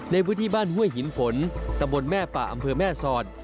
ในพื้นที่บ้านห้วยหินฝนตำบลแม่ป่าอำเภอแม่สอด